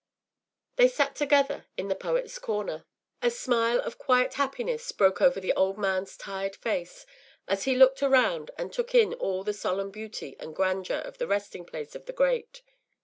They sat together in the Poets’ Corner; a smile of quiet happiness broke over the old man’s tired face as he looked around and took in all the solemn beauty and grandeur of the resting place of the great.